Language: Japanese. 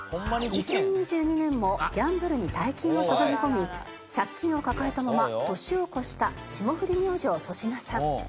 ２０２２年もギャンブルに大金を注ぎ込み借金を抱えたまま年を越した霜降り明星粗品さん。